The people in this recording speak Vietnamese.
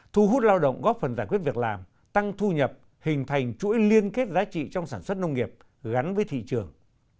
thu hút lao động góp phần giải quyết việc làm tăng thu nhập hình thành chuỗi liên kết giá trị trong sản xuất nông nghiệp gắn với thị trường